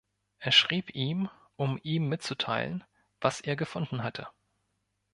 Er schrieb ihm, um ihm mitzuteilen, was er gefunden hatte.